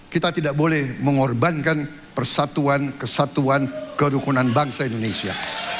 kita tidak boleh mengorbankan persatuan kesatuan kerukunan bangsa indonesia